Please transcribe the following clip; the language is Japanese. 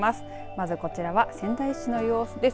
まずこちら仙台市の様子です。